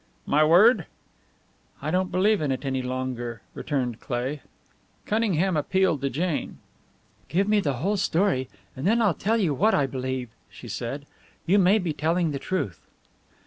"My word?" "I don't believe in it any longer," returned Cleigh. Cunningham appealed to Jane. "Give me the whole story, then I'll tell you what I believe," she said. "You may be telling the truth."